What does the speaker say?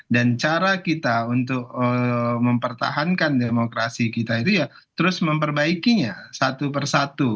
dan cara kita untuk mempertahankan demokrasi kita itu ya terus memperbaikinya satu per satu